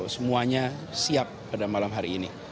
semuanya siap pada malam hari ini